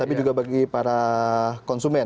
tapi juga bagi para konsumen